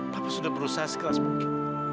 papa sudah berusaha sekelas mungkin